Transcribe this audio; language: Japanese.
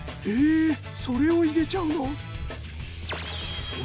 えそれを入れちゃうの？